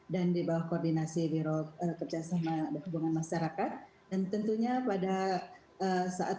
dan di bawah koordinasi birol kerjasama dan hubungan masyarakat dan tentunya pada saat